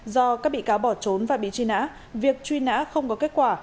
do các bị cáo bỏ trốn và bị truy nã việc truy nã không có kết quả